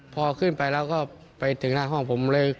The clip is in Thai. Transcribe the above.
พอขึ้นไปแล้วก็ไปถึงหน้าห้องผมเลย